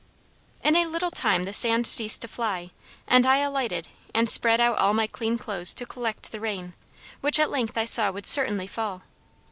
"In a little time the sand ceased to fly, and I alighted and spread out all my clean clothes to collect the rain, which at length I saw would certainly fall.